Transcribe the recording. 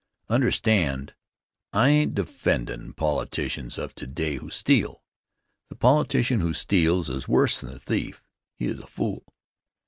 Understand, I ain't defendin' politicians of today who steal. The politician who steals is worse than a thief. He is a fool.